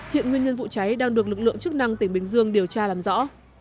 hiện nguyên nhân vụ cháy đang được lực lượng chức năng tỉnh bình dương điều tra làm rõ